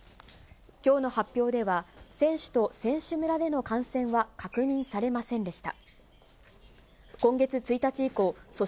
きょうの発表では、選手と選手村での感染は確認されませんでした。